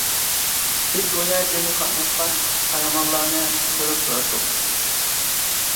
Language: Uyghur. بىز گويا جەڭگە قاتناشقان قەھرىمانلارنى كۆرۈپ تۇراتتۇق.